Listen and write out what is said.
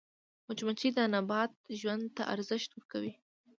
مچمچۍ د نبات ژوند ته ارزښت ورکوي